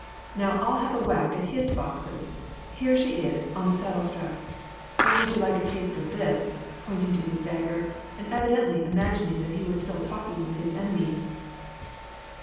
Now I'll have a whack at his foxes. Here she is, on the saddle straps. Or would you like a taste of this ?" pointing to his dagger, and evidently imagining that he was still talking with his enemy.